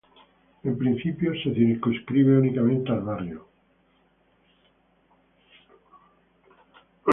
En principio se circunscribe únicamente al barrio.